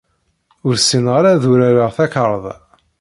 Ur ssineɣ ara ad urareɣ takarḍa.